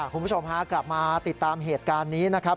คุณผู้ชมฮะกลับมาติดตามเหตุการณ์นี้นะครับ